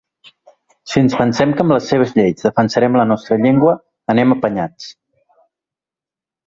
Si ens pensem que amb les seves lleis defensarem la nostra llengua, anem apanyats.